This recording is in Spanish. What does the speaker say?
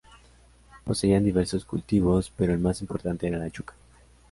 Poseían diversos cultivos, pero el más importante era la yuca.